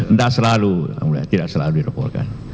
tidak selalu tidak selalu dilaporkan